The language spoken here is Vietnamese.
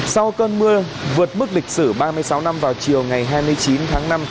sau cơn mưa vượt mức lịch sử ba mươi sáu năm vào chiều ngày hai mươi chín tháng năm